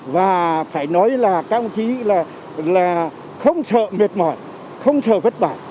và phải nói là các ông chí là không sợ mệt mỏi không sợ vất vả